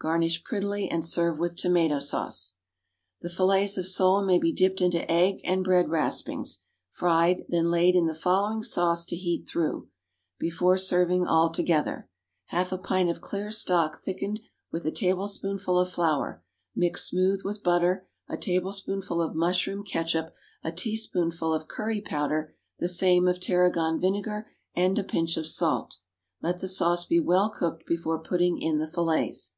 Garnish prettily, and serve with tomato sauce. The fillets of sole may be dipped into egg and bread raspings, fried, then laid in the following sauce to heat through, before serving altogether: half a pint of clear stock thickened with a tablespoonful of flour, mixed smooth with butter, a tablespoonful of mushroom ketchup, a teaspoonful of curry powder, the same of tarragon vinegar, and a pinch of salt. Let the sauce be well cooked before putting in the fillets.